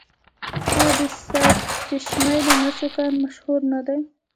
آیا د سرچشمې د مسو کان مشهور نه دی؟